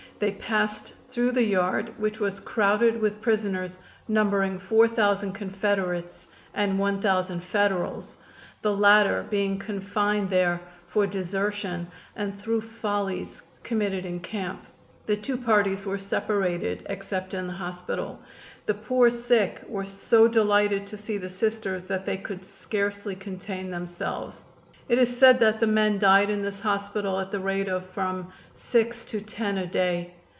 They passed through the yard, which was crowded with prisoners, numbering four thousand Confederates and one thousand Federals, the latter being confined there for desertion and through follies committed in camp. The two parties were separated, except in the hospital. The poor sick were so delighted to see the Sisters that they could scarcely contain themselves. It is said that the men died in this hospital at the rate of from six to ten a day.